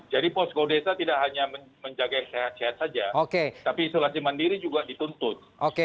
jadi posko deta tidak hanya menjaga sehat sehat saja tapi isolasi mandiri juga dituntut